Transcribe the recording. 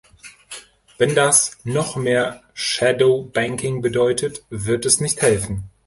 Wenn das noch mehr Shadow Banking bedeutet, wird es nicht helfen.